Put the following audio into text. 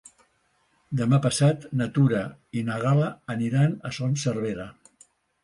Demà passat na Tura i na Gal·la aniran a Son Servera.